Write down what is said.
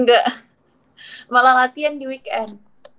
nggak malah latihan di weekend